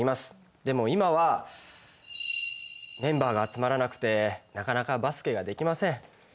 でも今はメンバーが集まらなくてなかなかバスケができません。